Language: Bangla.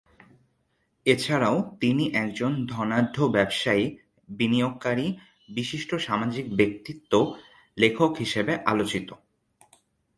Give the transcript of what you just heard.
এছাড়াও তিনি একজন ধনাঢ্য ব্যবসায়ী, বিনিয়োগকারী, বিশিষ্ট সামাজিক ব্যক্তিত্ব, লেখক হিসেবে আলোচিত।